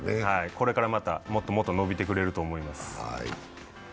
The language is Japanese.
これからまたもっともっと伸びてくれると思います。